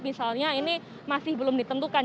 misalnya ini masih belum ditentukan